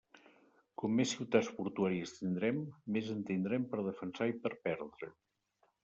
Com més ciutats portuàries tindrem, més en tindrem per defensar i per perdre.